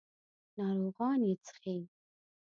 ناروغان یې څښي.